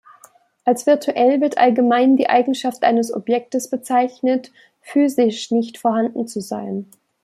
Als "virtuell" wird allgemein die Eigenschaft eines Objektes bezeichnet, physisch nicht vorhanden zu sein.